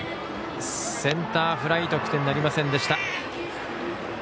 センターフライ得点なりませんでした。